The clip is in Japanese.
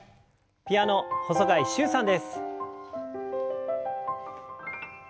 ピアノ細貝柊さんです。